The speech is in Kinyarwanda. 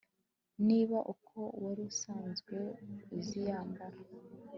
niba uko wari usanzwe uzi yambara